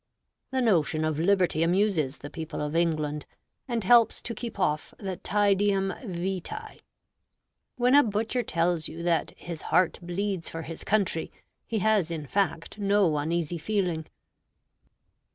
"The notion of liberty amuses the people of England, and helps to keep off the tædium vitæ. When a butcher tells you that 'his heart bleeds for his country,' he has in fact no uneasy feeling."